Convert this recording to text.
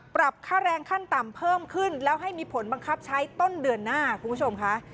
ปรับค่าแรงขั้นต่ำเพิ่มขึ้นแล้วให้มีผลบังคับใช้ต้นเดือนหน้าคุณผู้ชมค่ะ